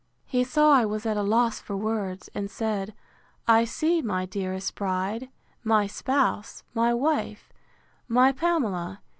He saw I was at a loss for words, and said, I see, my dearest bride! my spouse! my wife! my Pamela!